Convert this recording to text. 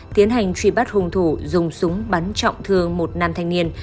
tiến hành truy bắt hung thủ dùng súng bắn trọng thương một nam thanh niên